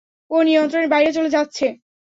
ও নিয়ন্ত্রণের বাইরে চলে যাচ্ছে।